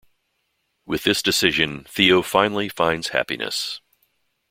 With this decision Theo finally finds happiness.